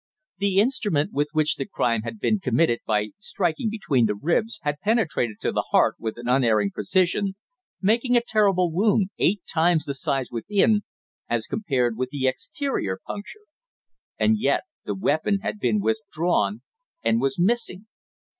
The instrument with which the crime had been committed by striking between the ribs had penetrated to the heart with an unerring precision, making a terrible wound eight times the size within, as compared with the exterior puncture. And yet the weapon had been withdrawn, and was missing!